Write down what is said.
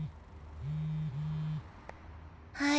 はい。